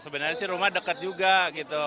sebenarnya sih rumah dekat juga gitu